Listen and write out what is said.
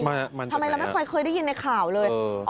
ทำไมเราไม่เคยเคยได้ยินในข่าวเลย